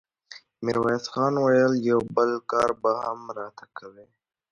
ميرويس خان وويل: يو بل کار به هم راته کوې!